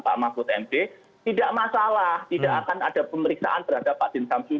pak mahfud md tidak masalah tidak akan ada pemeriksaan terhadap pak din samsudi